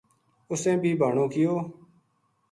اُسیں بھی بہانو کیو